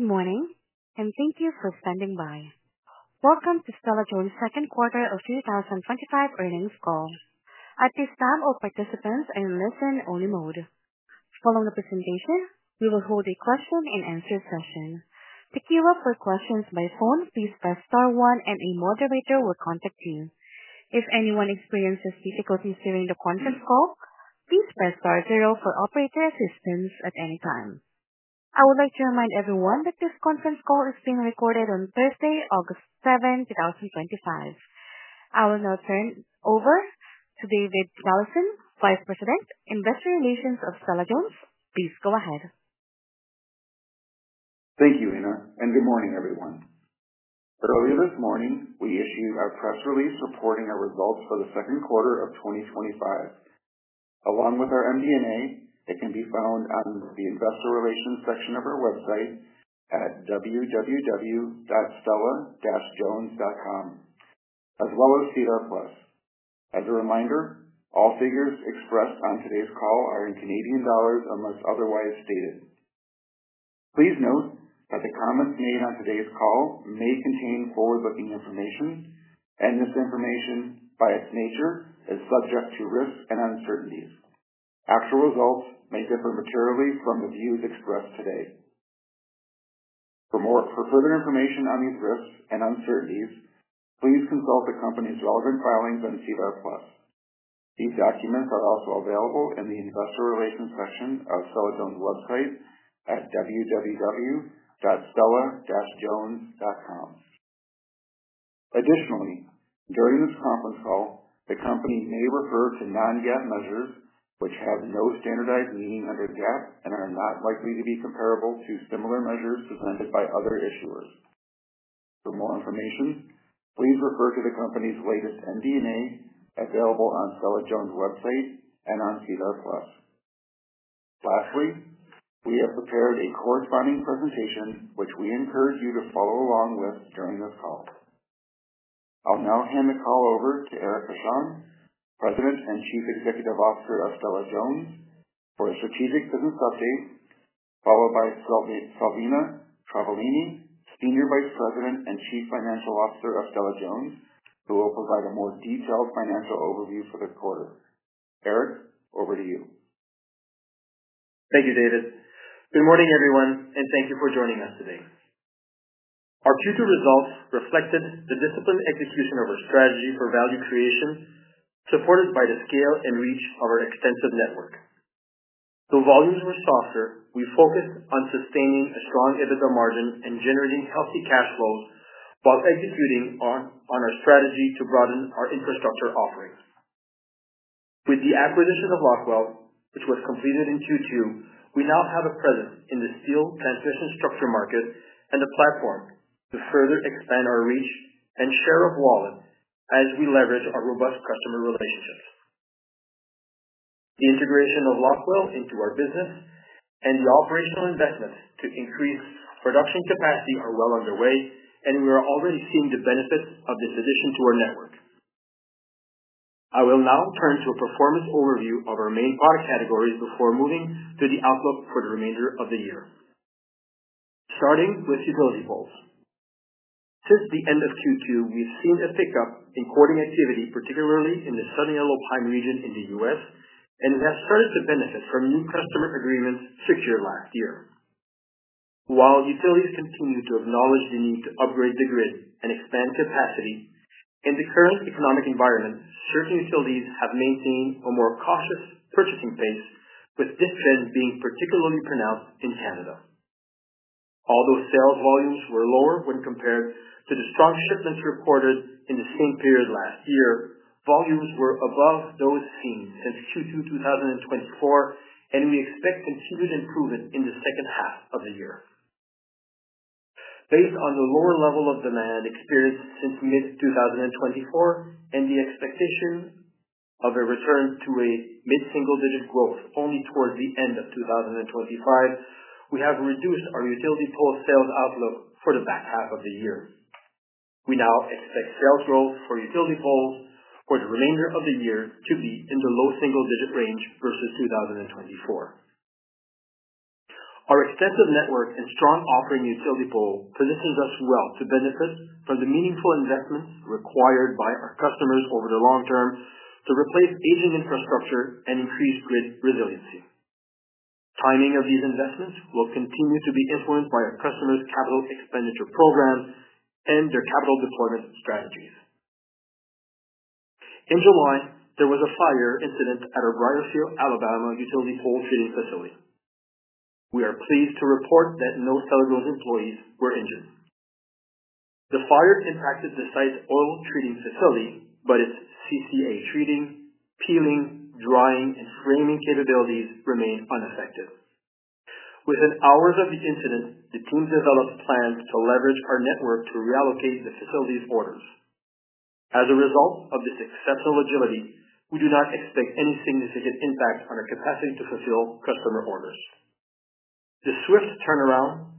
Good morning and thank you for standing by. Welcome to Stella-Jones' Second Quarter of 2025 Earnings Call. At this time, all participants are in listen-only mode. Following the presentation, we will hold a question-and-answer session. To queue up for questions by phone, please press star one and a moderator will contact you. If anyone experiences difficulties during the conference call, please press star zero for operator assistance at any time. I would like to remind everyone that this conference call is being recorded on Thursday, August 7, 2025. I will now turn it over to David Galison, Vice President, Investor Relations of Stella-Jones. Please go ahead. Thank you, Ina, and good morning, everyone. Earlier this morning, we issued our press release reporting our results for the second quarter of 2025. Along with our MD&A, it can be found on the Investor Relations section of our website at www.stella-jones.com, as well as TR Plus. As a reminder, all figures expressed on today's call are in CanadIna dollars unless otherwise stated. Please note that the comments made on today's call may contain forward-looking information, and this information, by its nature, is subject to risks and uncertainties. Actual results may differ materially from the views expressed today. For more information on these risks and uncertainties, please consult the company's relevant filings on TR Plus. These documents are also available in the Investor Relations section of Stella-Jones' website at www.stella-jones.com. Additionally, during this conference call, the company may refer to non-GAAP measures, which have no standardized meaning under GAAP and are not likely to be comparable to similar measures presented by other issuers. For more information, please refer to the company's latest MD&A available on Stella-Jones' website and on TR Plus. Lastly, we have prepared a corresponding presentation, which we encourage you to follow along with during this call. I'll now hand the call over to Éric Vachon, President and Chief Executive Officer of Stella-Jones, for a strategic business update, followed by Silvana Travaglini, Senior Vice President and Chief Financial Officer of Stella-Jones, who will provide a more detailed financial overview for this quarter. Éric, over to you. Thank you, David. Good morning, everyone, and thank you for joining us today. Our Q2 results reflected the disciplined execution of our strategy for value creation, supported by the scale and reach of our extensive network. Though volumes were softer, we focused on sustaining a strong EBITDA margin and generating healthy cash flow while executing on our strategy to broaden our infrastructure offerings. With the acquisition of Rockwell, which was completed in Q2, we now have a presence in the steel transmission structure market and a platform to further expand our reach and share of wallet as we leverage our robust customer relationships. The integration of Rockwell into our business and the operational investments to increase production capacity are well underway, and we are already seeing the benefits of this addition to our network. I will now turn to a performance overview of our main product categories before moving to the outlook for the remainder of the year. Starting with utility poles. Since the end of Q2, we've seen a pickup in quarterly activity, particularly in the Southern Alpine region in the U.S., and have started to benefit from new customer agreements secured last year. While utilities continue to acknowledge the need to upgrade the grid and expand capacity, in the current economic environment, European utilities have maintained a more cautious purchasing phase, with this trend being particularly pronounced in Canada. Although sales volumes were lower when compared to the strong shipments reported in the same period last year, volumes were above those seen since Q2 2024, and we expect continued improvement in the second half of the year. Based on the lower level of demand experienced since mid-2024 and the expectation of a return to a mid-single-digit growth only towards the end of 2025, we have reduced our utility pole sales outlook for the back half of the year. We now expect sales growth for utility poles for the remainder of the year to be in the low single-digit range versus 2024. Our extensive network and strong offering in utility poles positions us well to benefit from the meaningful investments required by our customers over the long term to replace aging infrastructure and increase grid resiliency. Timing of these investments will continue to be influenced by our customers' capital expenditure program and their capital deployment strategies. In July, there was a fire incident at O'Brienfield, Alabama, utility pole treating facility. We are pleased to report that no Stella-Jones employees were injured. The fire impacted the site's oil treating facility, but its CCA treating, peeling, drying, and framing capabilities remain unaffected. Within hours of the incident, the team developed plans to leverage our networks to reallocate the facility's orders. As a result of this exceptional agility, we do not expect any significant impact on our capacity to fulfill customer orders. The swift turnaround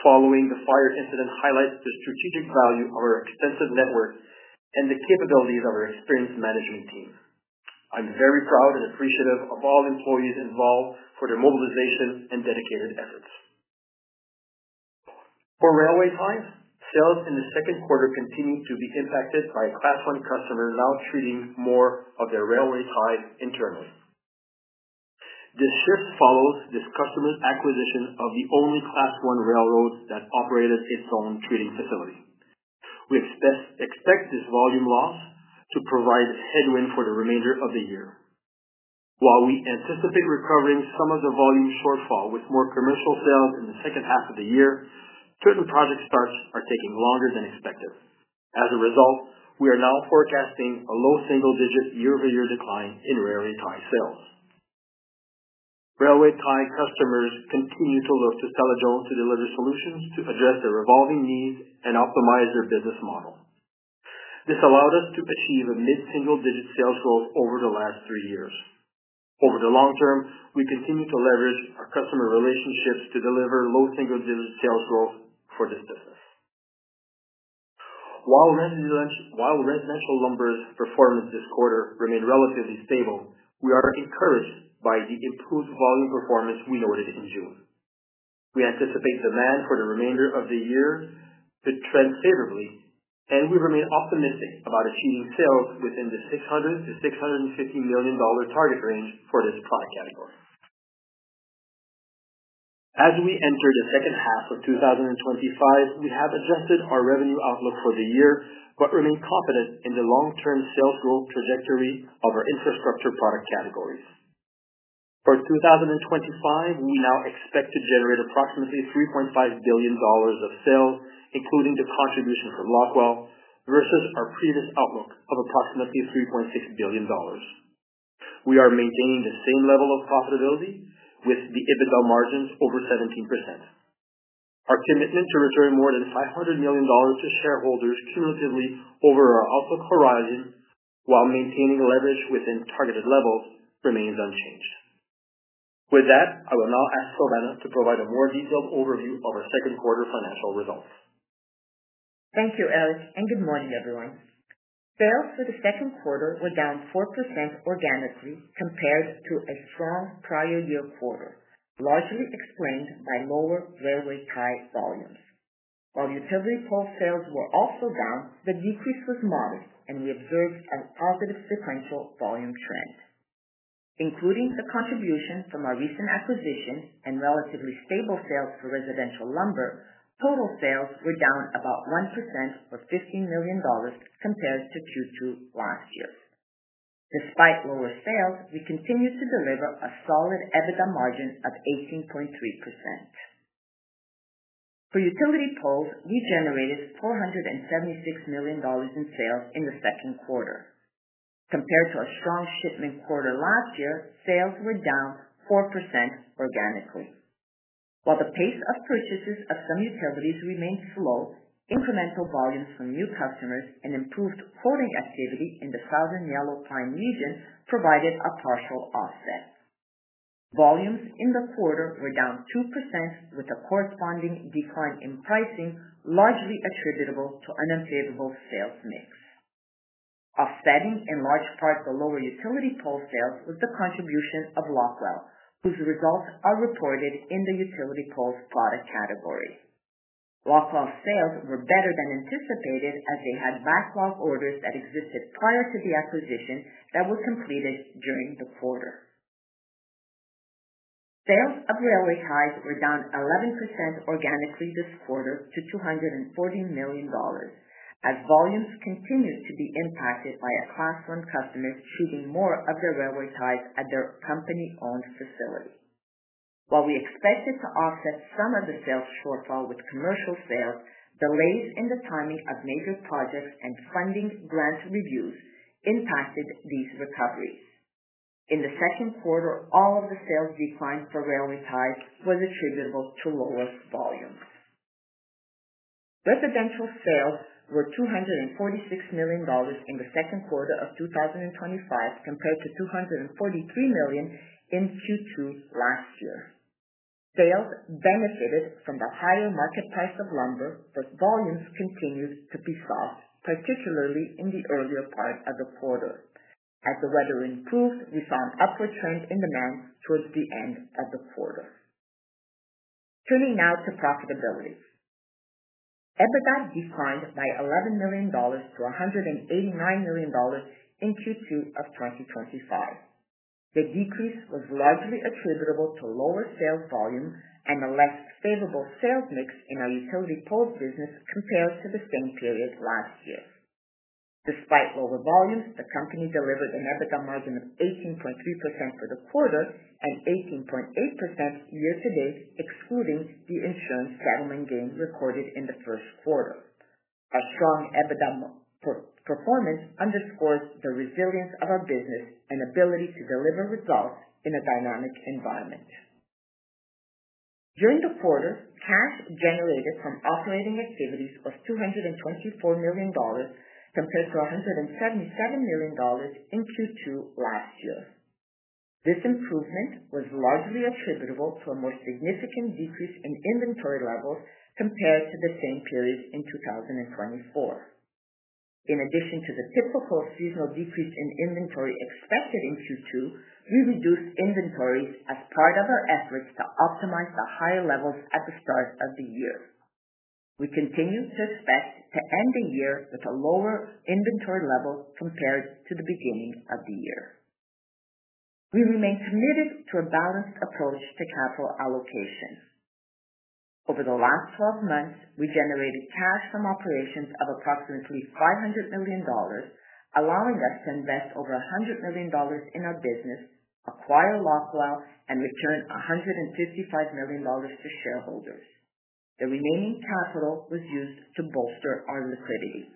following the fire incident highlights the strategic value of our extensive network and the capabilities of our experienced management team. I'm very proud and appreciative of all employees involved for their mobilization and dedicated efforts. For railway ties, sales in the second quarter continue to be impacted by a platform customer now treating more of their railway ties internally. This shift follows the customer's acquisition of the only platform railroad that operated its own treating facility. We expect this volume loss to provide a headwind for the remainder of the year. While we anticipate recovering some of the volume shortfall with more commercial sales in the second half of the year, certain project starts are taking longer than expected. As a result, we are now forecasting a low single-digit year-over-year decline in railway tie sales. Railway tie customers continue to look to Stella-Jones to deliver solutions to address their evolving needs and optimize their business model. This allowed us to achieve a mid-single-digit sales growth over the last three years. Over the long term, we continue to leverage our customer relationships to deliver low single-digit sales growth for this business. While residential lumber's performance this quarter remains relatively stable, we are encouraged by the improved volume performance we noted in June. We anticipate demand for the remainder of the year to trend favorably, and we remain optimistic about achieving sales within the 600 million-650 million dollar target range for this product category. As we enter the second half of 2025, we have adjusted our revenue outlook for the year but remain confident in the long-term sales growth trajectory of our infrastructure product categories. For 2025, we now expect to generate approximately 3.5 billion dollars of sales, including the contribution from Rockwell, versus our previous outlook of approximately 3.6 billion dollars. We are maintaining the same level of profitability with the EBITDA margins over 17%. Our commitment to returning more than 500 million dollars to shareholders cumulatively over our outlook horizon, while maintaining leverage within targeted levels, remains unchanged. With that, I will now ask Silvana to provide a more detailed overview of our second quarter financial results. Thank you, Éric, and good morning, everyone. Sales for the second quarter were down 4% organically compared to a strong prior year quarter, largely explained by lower railway tie volumes. While utility pole sales were also down, the decrease was modest and we observed a positive sequential volume trend. Including the contribution from our recent acquisitions and relatively stable sales for residential lumber, total sales were down about 1% or 15 million dollars compared to Q2 last year. Despite lower sales, we continued to deliver a solid EBITDA margin of 18.3%. For utility poles, we generated 476 million dollars in sales in the second quarter. Compared to our strong shipment quarter last year, sales were down 4% organically. While the pace of purchases of some utilities remained slow, incremental volumes from new customers and improved quarterly activity in the southern Yellow Pine region provided a partial offset. Volumes in the quarter were down 2%, with a corresponding decline in pricing, largely attributable to an unfavorable sales mix. Offsetting, in large part, the lower utility pole sales was the contribution of Rockwell, whose results are reported in the utility poles product category. Rockwell's sales were better than anticipated as they had backlog orders that existed prior to the acquisition that was completed during the quarter. Sales of railway ties were down 11% organically this quarter to 240 million dollars, as volumes continue to be impacted by a Class 1 customer treating more of their railway ties at their company-owned facility. While we expected to offset some of the sales shortfall with commercial sales, delays in the timing of major projects and funding grant reviews impacted these recoveries. In the second quarter, all of the sales decline for railway ties was attributable to lower volumes. Residential sales were 246 million dollars in the second quarter of 2025 compared to 243 million in Q2 last year. Sales benefited from the higher market price of lumber, but volumes continued to be soft, particularly in the earlier part of the quarter. As the weather improved, we saw an upward trend in demand towards the end of the quarter. Turning now to profitability. EBITDA declined by 11 million dollars to 189 million dollars in Q2 of 2025. The decrease was largely attributable to lower sales volume and a less favorable sales mix in our utility pole business compared to the same period last year. Despite lower volumes, the company delivered an EBITDA margin of 18.3% for the quarter and 18.8% year to date, excluding the insurance settlement gain recorded in the first quarter. A strong EBITDA performance underscores the resilience of our business and ability to deliver results in a dynamic environment. During the quarter, sales generated from operating activities were 224 million dollars compared to 177 million dollars in Q2 last year. This improvement was largely attributable to a more significant decrease in inventory levels compared to the same period in 2024. In addition to the typical seasonal decrease in inventory expected in Q2, we reduced inventories as part of our efforts to optimize the higher levels at the start of the year. We continue to expect to end the year with a lower inventory level compared to the beginning of the year. We remain committed to a balanced approach to capital allocations. Over the last 12 months, we generated cash from operations of approximately 500 million dollars, allowing us to invest over 100 million dollars in our business, acquire Rockwell, and return 155 million dollars to shareholders. The remaining capital was used to bolster our liquidity.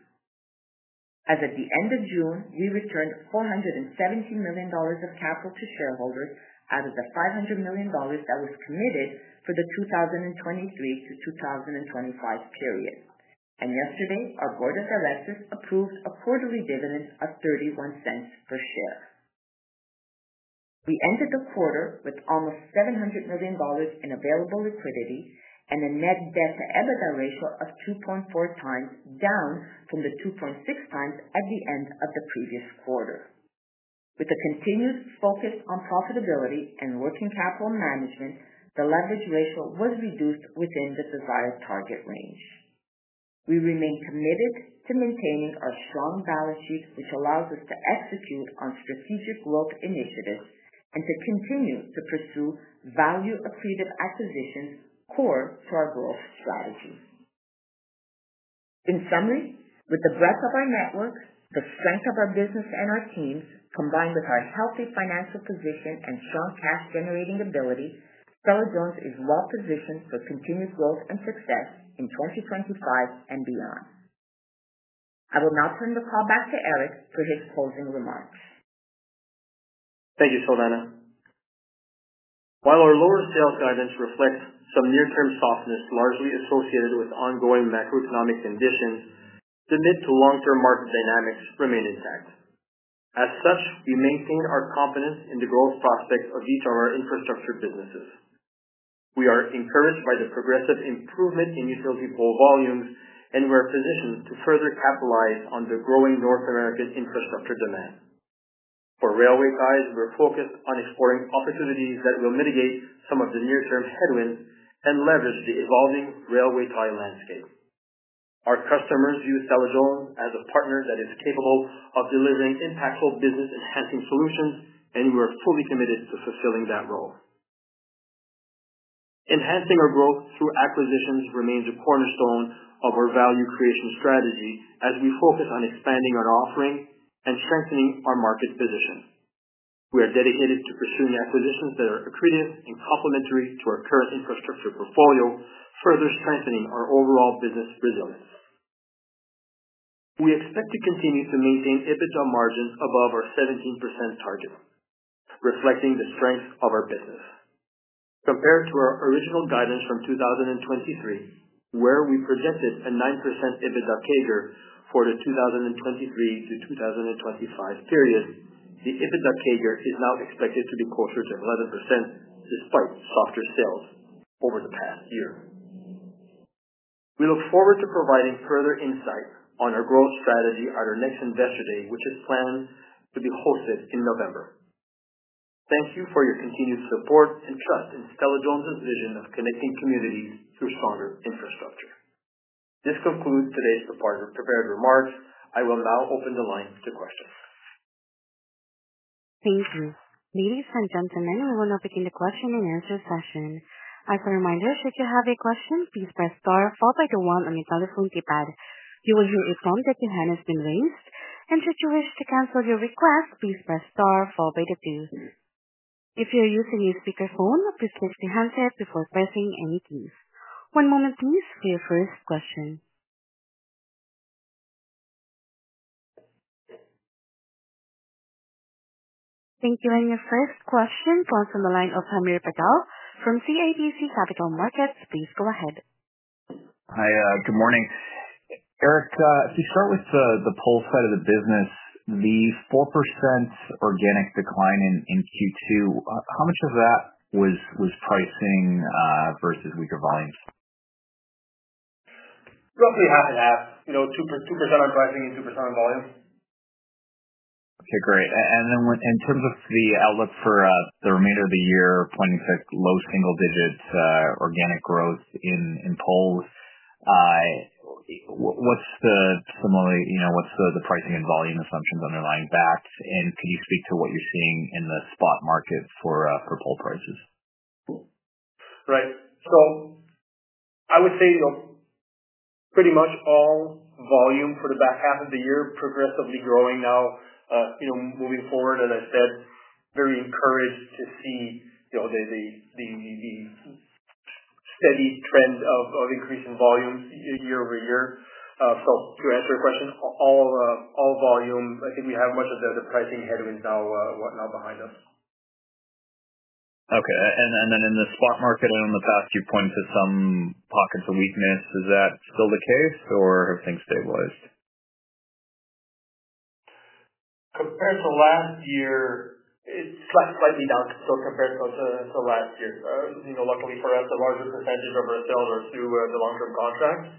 As of the end of June, we returned 417 million dollars of capital to shareholders out of the 500 million dollars that was committed for the 2023 to 2025 period. Yesterday, our board of directors approved a quarterly dividend of 0.31 per share. We ended the quarter with almost 700 million dollars in available liquidity and a net debt to EBITDA ratio of 2.4 times, down from the 2.6 times at the end of the previous quarter. With a continued focus on profitability and working capital management, the leverage ratio was reduced within the desired target range. We remain committed to maintaining our strong balance sheet, which allows us to execute on strategic growth initiatives and to continue to pursue value accretive acquisitions core to our growth strategy. In summary, with the breadth of our network, the strength of our business, and our teams, combined with our healthy financial position and strong cash-generating ability, Stella-Jones is well-positioned for continuous growth and success in 2025 and beyond. I will now turn the call back to Éric for his closing remarks. Thank you, Silvana. While our lower sales guidance reflects some near-term softness largely associated with ongoing macroeconomic conditions, the mid-to-long-term market dynamics remain intact. As such, we maintain our confidence in the growth prospects of each of our infrastructure businesses. We are encouraged by the progressive improvement in utility pole volumes, and we are positioned to further capitalize on the growing North American infrastructure demand. For railway ties, we're focused on exploring opportunities that will mitigate some of the near-term headwinds and leverage the evolving railway tie landscape. Our customers view Stella-Jones as a partner that is capable of delivering impactful business-enhancing solutions, and we are fully committed to fulfilling that role. Enhancing our growth through acquisitions remains a cornerstone of our value creation strategy, as we focus on expanding our offering and strengthening our market position. We are dedicated to pursuing acquisitions that are accretive and complementary to our current infrastructure portfolio, further strengthening our overall business resilience. We expect to continue to maintain EBITDA margins above our 17% target, reflecting the strengths of our business. Compared to our original guidance from 2023, where we projected a 9% EBITDA CAGR for the 2023 to 2025 period, the EBITDA CAGR is now expected to be closer to 11% despite softer sales over the past year. We look forward to providing further insight on our growth strategy at our next investor meeting, which is planned to be hosted in November. Thank you for your continued support and trust in Stella-Jones' vision of connecting communities through stronger infrastructure. This concludes today's prepared remarks. I will now open the lines to questions. Thank you. Ladies and gentlemen, we will now begin the question-and-answer session. As a reminder, if you have a question, please press star followed by the one on your telephone keypad. You will hear a prompt that your hand has been raised, and if you wish to cancel your request, please press star followed by the two. If you are using a speakerphone, please hold your handset up before pressing any keys. One moment please for your first question. Thank you. Your first question follows on the line of Hamir Patel from CIBC Capital Markets. Please go ahead. Hi, good morning. Éric, if you start with the pole side of the business, the 4% organic decline in Q2, how much of that was pricing versus weaker volumes? Roughly half and half, you know, 2% on pricing and 2% on volume. Okay, great. In terms of the outlook for the remainder of the year, pointing to low single-digit organic growth in poles, what's the similarity? What's the pricing and volume assumptions underlying that? Can you speak to what you're seeing in the spot markets for pole prices? Right. I would say pretty much all volume for the back half of the year is progressively growing now, moving forward. I'm very encouraged to see the steady trend of increasing volume year-over-year. To answer your question, all volume, I think we have much of the pricing headwind now behind us. Okay. In the spot market, in the past, you pointed to some pockets of weakness. Is that still the case, or have things stabilized? Compared to last year, it's slightly down still compared to last year. Luckily for us, the larger percentage of our sales are through the long-term contracts,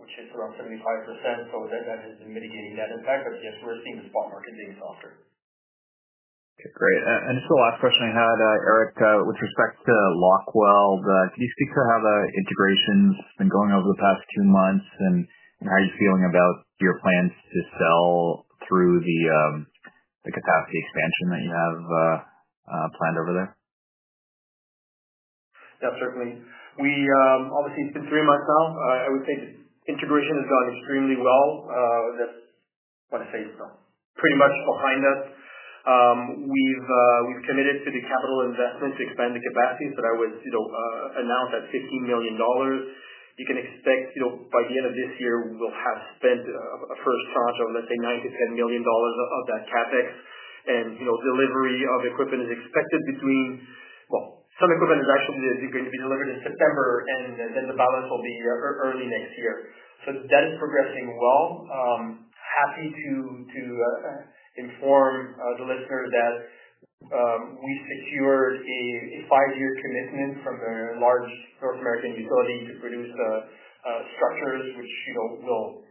which is around 75%. That has been mitigating that impact. Yes, we're seeing the spot market being softer. Okay, great. This is the last question I had, Éric, with respect to Rockwell. Can you speak to how the integration has been going over the past two months, and how you're feeling about your plans to sell through the capacity expansion that you have planned over there? Yeah, certainly. We obviously, considering myself, I would say the integration has gone extremely well. That's what I want to say, so pretty much behind us. We've committed to the capital investment to expand the capacity, but I was, you know, announced at 15 million dollars. You can expect, you know, by the end of this year, we will have spent a first shot of, let's say, 9 million-10 million dollars of that CapEx. Delivery of equipment is expected between, well, some equipment is actually going to be delivered in September, and then the balance will be early next year. That's progressing well. I'm happy to inform the listeners that we secured a five-year commitment from a large North American utility to produce a preference, which, you know, will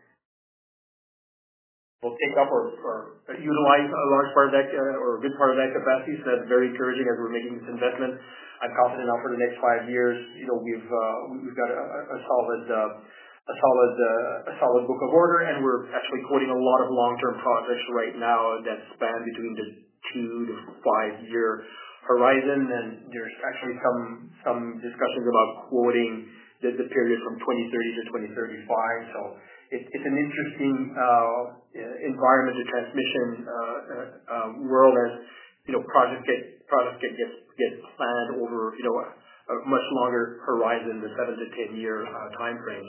take up or utilize a large part of that or a good part of that capacity. That's very encouraging as we're making this investment. I'm confident now for the next five years, you know, we've got a solid book of order, and we're actually quoting a lot of long-term projects right now that span between the two to five-year horizon. There's actually some discussions about quoting the period from 2030 to 2035. It's an interesting environment, the transmission world as, you know, projects get planned over, you know, a much longer horizon, the seven to 10-year timeframe.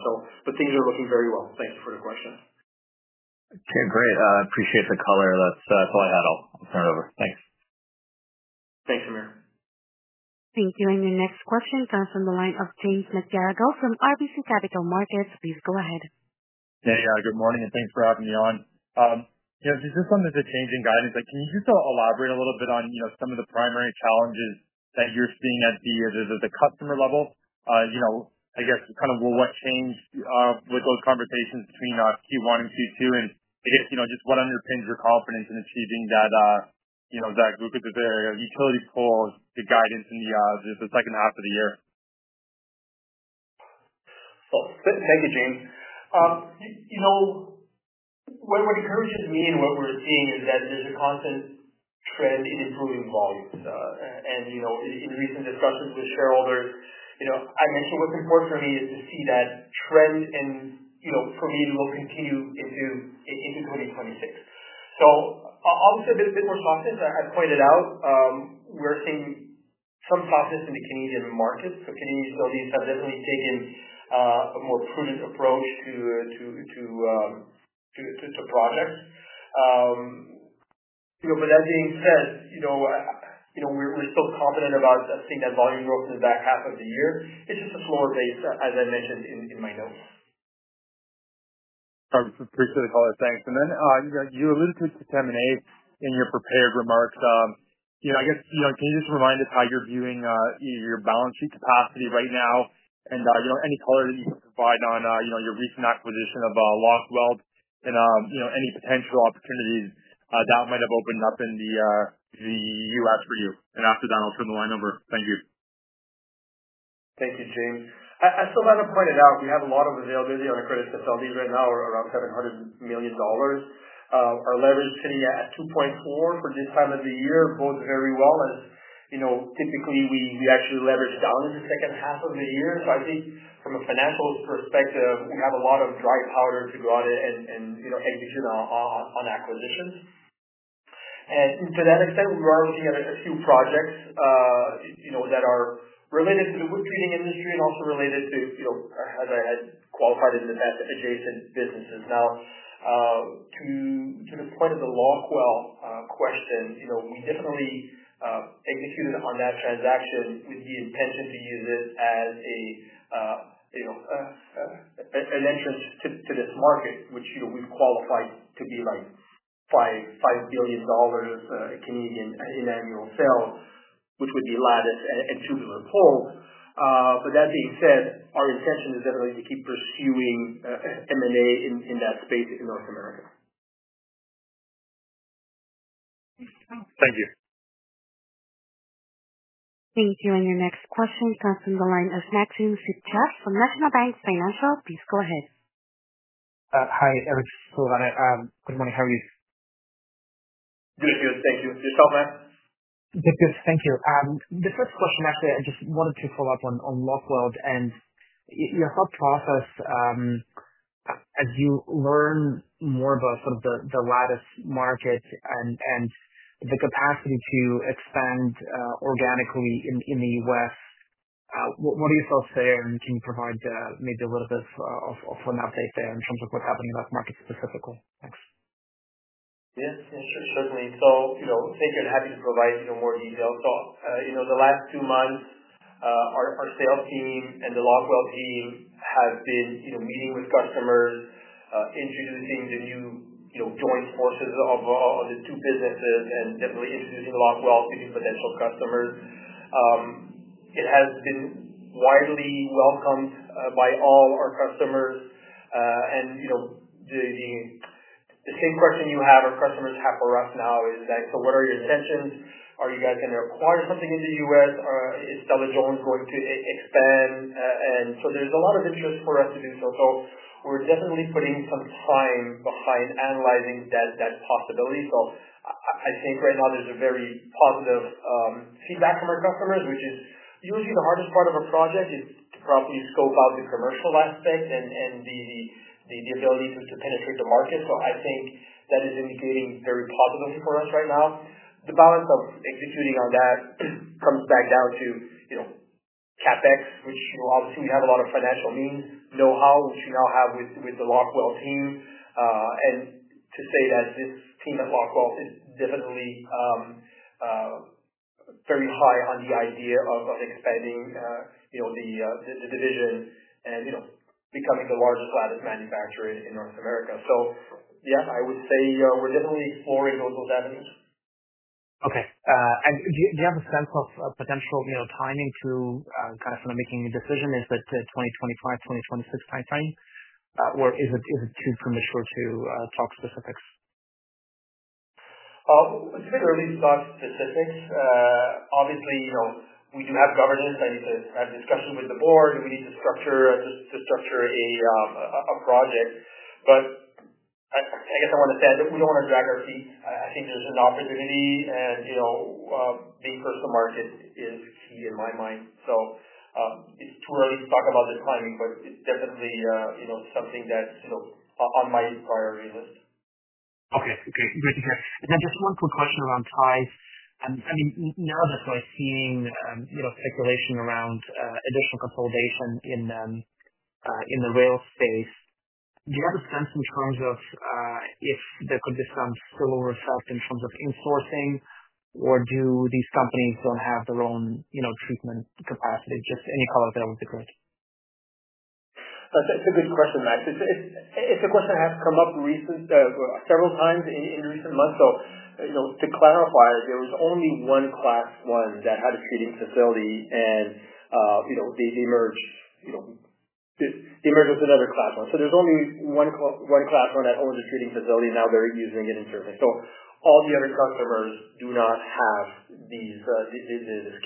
Things are looking very well. Thanks for the question. Okay, great. I appreciate the color. That's all I had. I'll turn it over. Thanks. Thanks, Hamir. Thank you. Your next question follows on the line of James McGarragle from RBC Capital Markets. Please go ahead. Good morning, and thanks for having me on. Since this one is a change in guidance, can you just elaborate a little bit on some of the primary challenges that you're seeing at the customer level? I guess kind of what changed with those conversations between Q1 and Q2? I guess just what on your pins were confident in achieving that look at the utility pole guidance in the second half of the year? Thanks, James. What encouraged me and what we're seeing is that there's a constant trend in improving volumes. In recent discussions with shareholders, I mentioned what's important for me is to see that trend and for me to continue in June in 2026. I'll say there's a bit more softness. I pointed out we're seeing some softness in the CanadIna markets. CanadIna utilities have definitely taken a more prudent approach to products. That being said, we're still confident about seeing that volume growth in the back half of the year. It's just a slower pace than in my notes. I appreciate the call. Thanks. You alluded to its determination in your prepared remarks. Can you just remind us how you're viewing your balance sheet capacity right now? Any color that you can provide on your recent acquisition of Rockwell and any potential opportunities that might have opened up in the U.S. for you? After that, I'll turn the line over. Thank you. Thank you, James. As Silvana pointed out, we have a lot of availability on the credit facilities right now, around 700 million dollars. Our leverage sitting at 2.4 for this time of the year, both very well as, you know, typically we actually leverage down in the second half of the year. I think from a financial perspective, we have a lot of dry powder to go out and execute on acquisitions. To that extent, we are looking at a few projects that are related to the wood treating industry and also related to, you know, as I had qualified in the past, adjacent businesses. Now, to the point of the Rockwell question, we definitely executed on that transaction with the intention to use it as an entrance to this market, which, you know, we've qualified to give us 5 billion dollars of CanadIna in annual sale, which would be a lattice and shooting with a pole. That being said, our intention is definitely to keep pursuing a determination in that space in North America. Thank you. Thank you. Your next question follows on the line of Maxim Sytchev from National Bank Financial. Please go ahead. Hi, Éric. This is Sytchev. Good morning. How are you? Good, good. Thank you. Yourself, Matt? Good, good. Thank you. The first question I have here, I just want to take a look on Rockwell and your thought process as you learn more about sort of the lattice market and the capacity to expand organically in the U.S. What do you still say? Can you provide maybe a little bit of an update there in terms of what's happening in that market specifically? Yes, certainly. Thank you and happy to provide more details. The last two months, our sales team and the Rockwell team have been meeting with customers, introducing the new joint forces of the two businesses, and definitely introducing Rockwell to these potential customers. It has been widely welcomed by all our customers. The same question you have, our customers have for us now is that, what are your intentions? Are you guys going to acquire something in the U.S.? Is Stella-Jones going to expand? There is a lot of interest for us to do so. We're definitely putting some time behind analyzing that possibility. I think right now there's very positive feedback from our customers, which is usually the hardest part of a project, to properly scope out the commercial aspects and the ability to penetrate the market. I think that is really creating very positive for us right now. The balance of executing on that comes back down to CapEx, which obviously we have a lot of financial means, know-how, which we now have with the Rockwell team. To say that this team at Rockwell is definitely very high on the idea of expanding the division and becoming the largest lattice manufacturer in North America. I would say we're definitely exploring those avenues. Okay. Do you have a sense of potential timing to kind of making a decision, is that 2025, 2026 timeframe, or is it too premature to talk specifics? Let's really start specifics. Obviously, you know, we do have governance and discussions with the board. We need to structure a project. I want to say that we don't want to drag our feet. I think there's an opportunity and the commercial market is key in my mind. It's too early to talk about the timing, but it's definitely something that's on my priority list. Okay. Good to hear. Just one quick question around ties. I mean, now that I've seen exploration around additional consolidation in the rail space, do you have a sense in terms of if there could become spillover shock in terms of insourcing or do these companies not have their own treatment capacity? Just any color, that would be great. That's a good question, Matt. It's a question that has come up several times in recent months. To clarify, there was only one Class 1 that had a seating facility, and they've merged with another Class 1. There's only one Class 1 that owns a seating facility, and now they're using it in service. All the other customers do not have this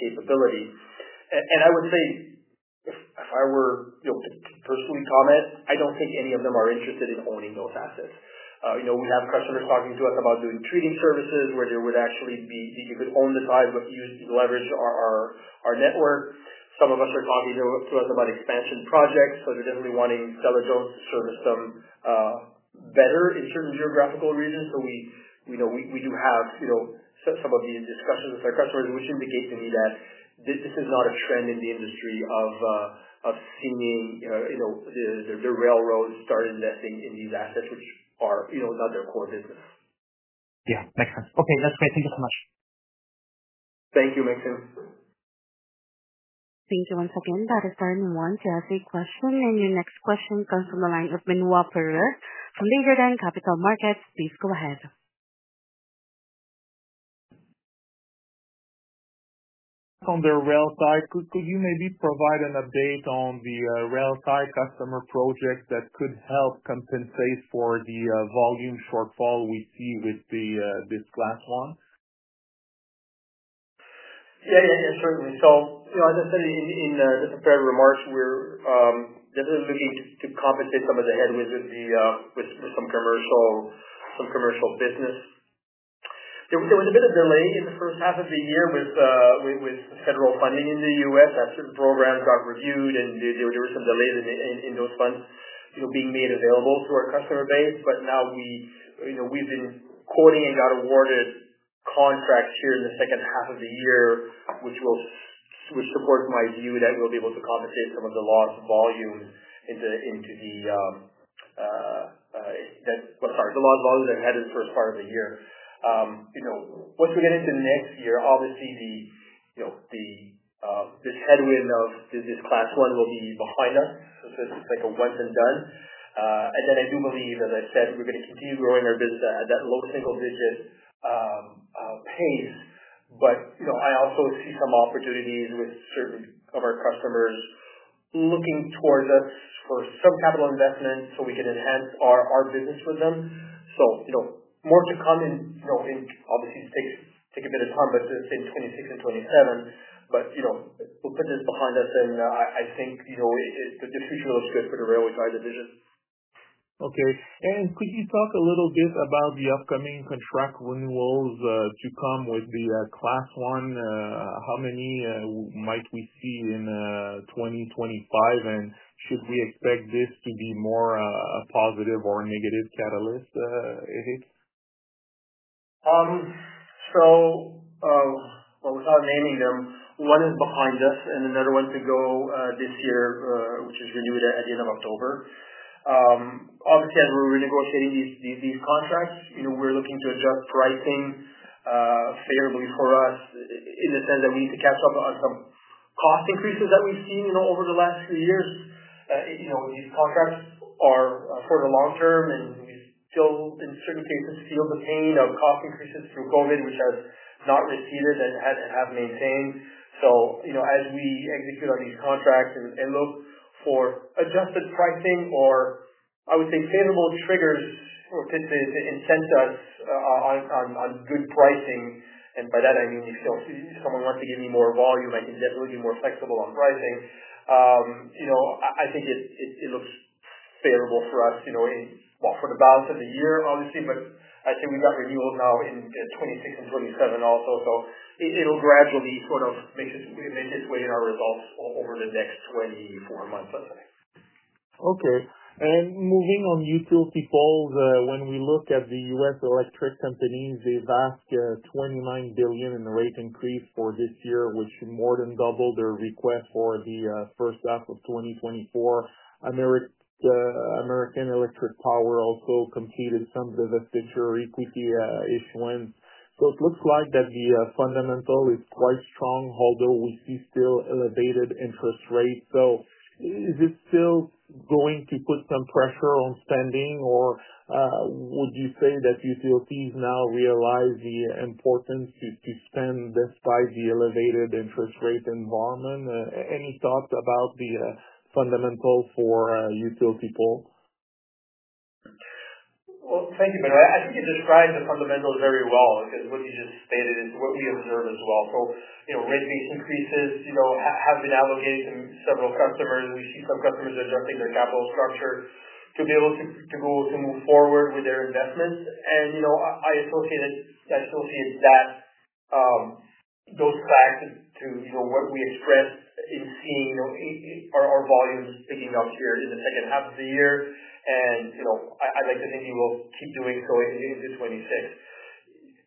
capability. I would say if I were to personally comment, I don't think any of them are interested in owning those assets. We have customers talking to us about doing treating services where they would actually own the ties but leverage our network. Some are talking to us about expansion projects. They're definitely wanting Stella-Jones to service them better in certain geographical regions. We do have some of these discussions with our customers, which indicate to me that this is a trend in the industry of seeing the railroads start investing in these assets, which are not their core business. Yeah, makes sense. Okay, that's great. Thank you so much. Thank you, Maxim. Thank you for getting that. I certainly wanted to ask a question. Your next question comes from the line of Benoit Poirier from Desjardins Capital Markets. Please go ahead. On the rail side, could you maybe provide an update on the rail side customer projects that could help compensate for the volume shortfall we see with this Class 1? Certainly. As I said in the prepared remarks, we're definitely looking to compensate some of the headwinds with some commercial business. There was a bit of delay in the first half of the year with federal funding in the U.S. As these programs got reviewed and there were some delays in those funds being made available to our customer base. Now we've been quoting and got awarded contracts here in the second half of the year, which will support my view that we'll be able to compensate some of the lost volume that we had in the first part of the year. Once we get into next year, obviously this headwind of this Class 1 will be behind us. It's like a once and done. I do believe, as I said, we're going to continue growing our business at that low single-digit pace. I also see some opportunities with certain of our customers looking towards us for some capital investment so we can enhance our business with them. More to come and obviously it's going to take a bit of time, but this thing is going to see 2027. We'll put this behind us and I think the decision will sit for the railway tie division. Okay. Could you talk a little bit about the upcoming contract renewals to come with the Class 1? How many might we see in 2025? Should we expect this to be more a positive or negative catalyst, Éric? Without naming them, one is behind us and another one to go this year, which is renewed at the end of October. Obviously, as we're renegotiating these contracts, we're looking to adjust pricing favorably for us in the sense that we need to catch up on some cost increases that we've seen over the last few years. These contracts are for the long term and we still, in certain cases, feel the pain of cost increases through COVID, which has not receded and have maintained. As we execute on these contracts and look for adjusted pricing or, I would say, favorable triggers will fit the intent on good pricing. By that, I mean, if someone wants to give me more volume, I can definitely be more flexible on pricing. I think it looks favorable for us for the balance of the year, obviously. I'd say we've got renewals now in 2026 and 2027 also. It will gradually sort of make its way in our results over the next 24 months, I'd say. Okay. Moving on to utility poles, when we look at the U.S. electric companies, they've asked for 29 billion in the rate increase for this year, which more than doubled their request for the first half of 2024. American Electric Power also completed some divestitures or equity issuance. It looks like the fundamental is quite strong, although we see still elevated interest rates. Is this still going to put some pressure on spending? Would you say that utilities now realize the importance to spend despite the elevated interest rate environment? Any thoughts about the fundamental for utility poles? Thank you, but I think you described the fundamentals very well. What you just stated is what we observe as well. Rate increases have been allocated to several customers. We see some customers adjusting their capital structures to be able to move forward with their investments. I associate those factors to what we expect in seeing our volumes picking up here in the second half of the year. I'd like to think we will keep doing so into 2026.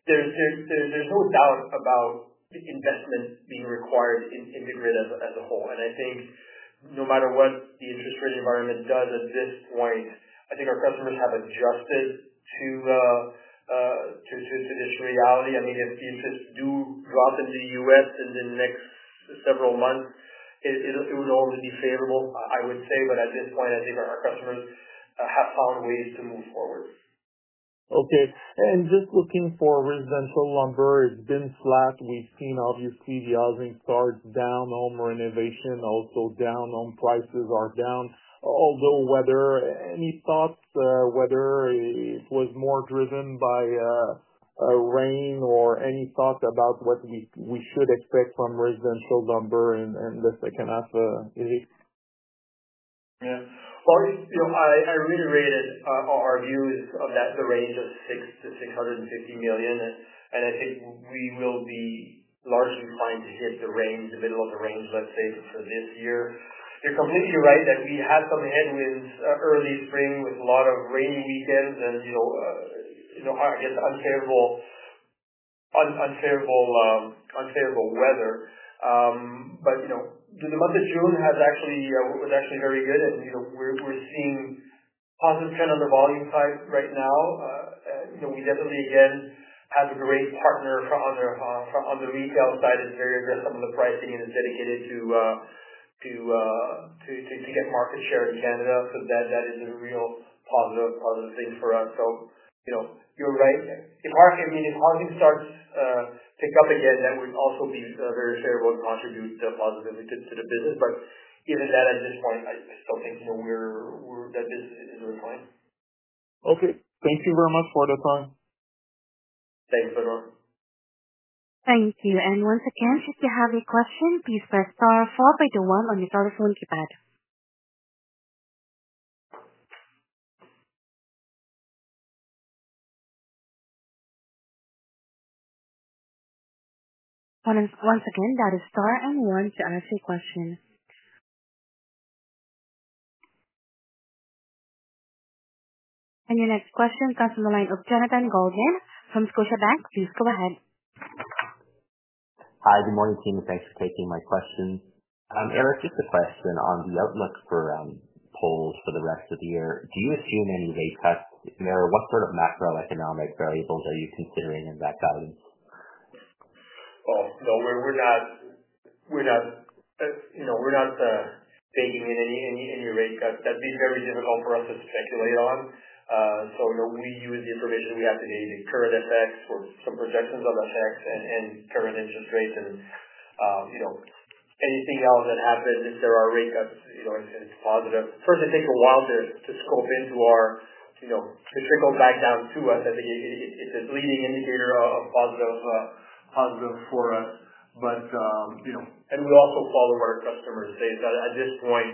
There's no doubt about investments being required in the grid as a whole. I think no matter what the interest rate environment does at this point, our customers have adjusted to this reality. If these do drop in the U.S. in the next several months, it will only be favorable, I would say. At this point, I think our customers have found ways to move forward. Okay. Just looking for residential lumber, it's been flat. We've seen, obviously, the housing start down. Home renovation also down. Home prices are down. Although weather, any thoughts? Weather was more driven by rain, or any thoughts about what we should expect from residential lumber in the second half of the year? I reiterated our views on that, the range of 600 million-650 million. I think we will be largely inclined to hit the range, the middle of the range, let's say, for this year. You're completely right that we have some headwinds early spring with a lot of rainy weekends and, you know, I guess unfavorable weather. The month of June was actually very good, and we're seeing a positive trend on the volume side right now. We definitely, again, have a great partner on the retail side in the area that some of the pricing is dedicated to, to get market share in Canada. That is a real positive thing for us. You're right. If market reading only starts to pick up again, that would also be very favorable and contribute to positivity to the business. Given that, at this point, I don't think that this is really going. Okay, thank you very much for the time. Thanks, Benoit. Thank you. Once again, if you have a question, please press star followed by the one on your telephone keypad. That is, once again, star and one to ask a question. Your next question comes from the line of Jonathan Goldman from Scotiabank. Please go ahead. Hi, good morning, team. Thanks for taking my question. Éric, just a question on the outlook for poles for the rest of the year. Do you assume any rate cuts? What sort of macroeconomic variables are you considering in that guidance? We're not thinking in any rate cuts. That'd be very difficult for us to speculate on. We use the information we have today, the current effects with some projections on the effects and current interest rates. Anything else that happens, if there are rate cuts, it's positive. First, it takes a while to just go into our, to trickle back down to us. I think it's a leading indicator of a positive for us. We also follow our customers' data. At this point,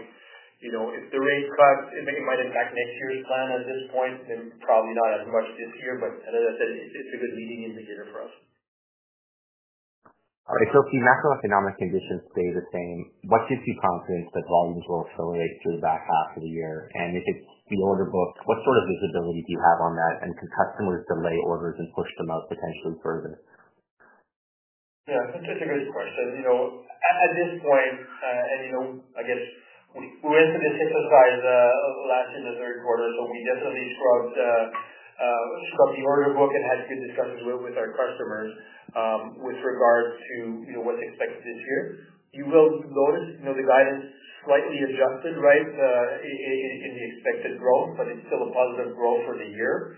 if the rate cuts, then we might impact next year's plan. At this point, probably not as much this year. As I said, it's a good leading indicator for us. If the macroeconomic conditions stay the same, what gives you confidence that volumes will accelerate through the back half of the year? If it's slow to book, what sort of visibility do you have on that? Can customers delay orders and push them out potentially further? Yeah, I think that's a good question. At this point, I guess we went through the same surprise last in the third quarter, but we definitely saw some slow to book and had some concerns with our customers with regard to what's expected this year. You will notice the guidance slightly adjusted, right, in the expected growth, but it's still a positive growth for the year.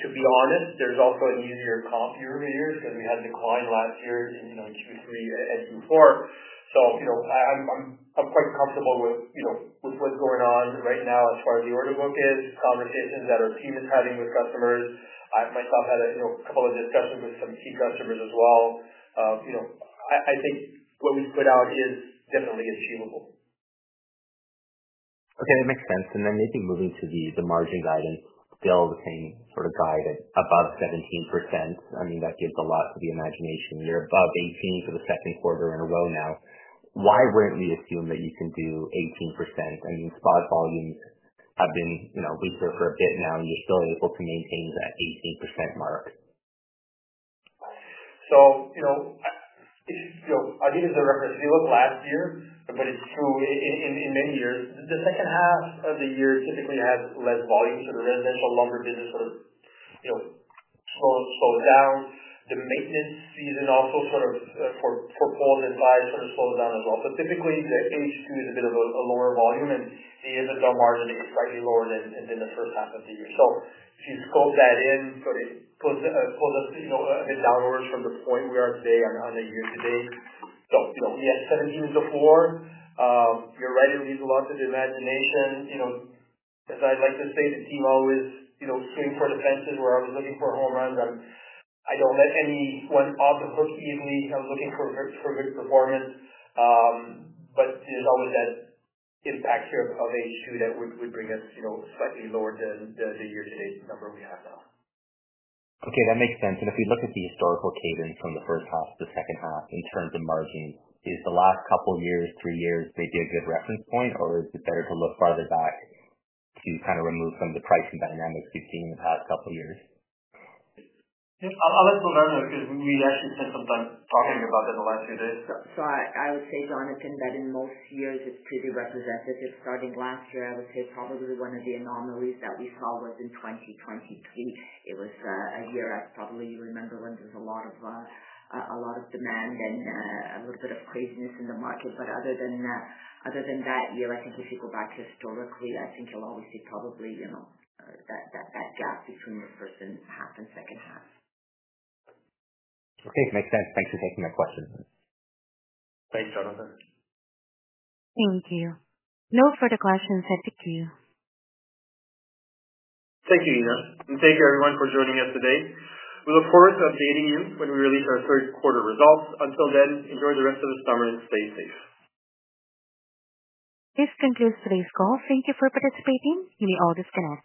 To be honest, there's also an easier comp year-over-year. We had a decline last year in Q3 as before. I'm quite comfortable with what's going on right now as far as the order book is, conversations that our team is having with customers. My client had a couple of discussions with some key customers as well. I think what we've put out is definitely achievable. Okay, it makes sense. Maybe moving to the margin guidance, still the same sort of guide above 17%. I mean, that gives a lot to the imagination. You're above 18% for the second quarter in a row now. Why not lead us to you that you can do 18%? I mean, spot volumes have been, you know, weaker for a bit now, and you're still able to maintain that 18% mark. As a reference, we looked last year, but it's true in many years. The second half of the year typically has less volume. The residential lumber business sort of goes down. The maintenance season also for poles and ties slows down as well. Typically, there's a bit of a lower volume, and if the job margins are slightly lower than in the first half of the year. If you scope that in, it pulls us a bit downward from the point we are today on a year-to-date basis. Yes, energy is the floor. You're right, it leaves a lot to the imagination. As I like to say, the team always seems sort of hesitant when I'm looking for a home run. I don't let anyone off the hook easily when I'm looking for mixed performance, but there's always that impact share of H2 that would bring us slightly lower than the year-to-date number we have now. Okay, that makes sense. If we look at the historical cadence from the first half to the second half in terms of margins, is the last couple of years, three years, maybe a good reference point, or is it better to look farther back to kind of remove some of the pricing dynamics we've seen in the past couple of years? I'll let you go there, Martin, because we actually spent some time talking about them the last few days. I would say, Jonathan, that in most years, it's pretty representative. Starting last year, I would say probably one of the anomalies that we saw was in 2023. It was a year that's probably, you remember, when there's a lot of demand and a little bit of craziness in the market. Other than that year, I think if you go back historically, I think you'll always see probably, you know, that gap between the first half and second half. Okay, it makes sense. Thanks for taking that question. Thanks, Jonathan. Thank you. No further questions will be clear. Thank you, Ina. Thank you, everyone, for joining us today. We look forward to updating you when we release our third quarter results. Until then, enjoy the rest of the summer and stay safe. This concludes today's call. Thank you for participating. You may all disconnect.